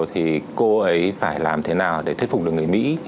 thì cô ấy phải làm thế nào để thuyết phục được người mỹ